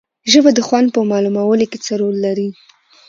ژبه د خوند په معلومولو کې څه رول لري